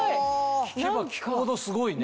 聞けば聞くほどすごいね。